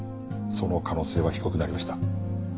その可能性は低くなりました。